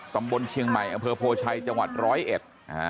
ตำบลเชียงใหม่อำเภอโพชัยจังหวัดร้อยเอ็ด